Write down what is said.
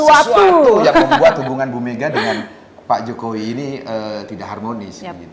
yang menganggap seakan akan ada sesuatu yang membuat hubungan ibu mega dengan pak jokowi ini tidak harmonis